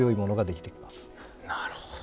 なるほど。